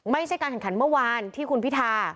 ไม่ใช่การแข่งขันเมื่อวานที่คุณพิธา